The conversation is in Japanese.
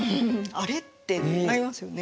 「あれ？」ってなりますよね。